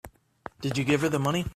Did you give her the money?